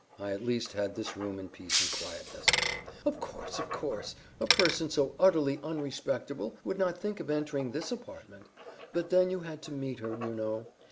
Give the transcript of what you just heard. I at least had this room in peace and quietness." "Of course, of course! A person so utterly unrespecterble would not think of entering THIS apartment; but then you had to meet her, you know.